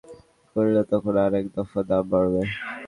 সরকার মূসক শেষ পর্যন্ত আদায় করলে তখন আরেক দফা দাম বাড়বে।